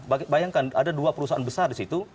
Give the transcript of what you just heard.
bayangkan ada dua perusahaan besar di situ